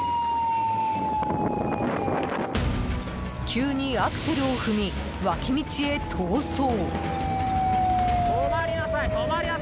急にアクセルを踏み脇道へ逃走！